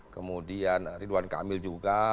kemudian ridwan kamil juga